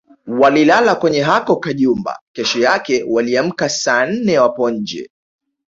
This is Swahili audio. Walilala kwenye hako kajumba kesho yake waliamka saa nne wapo nje